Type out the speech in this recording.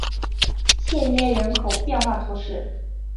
谢涅人口变化图示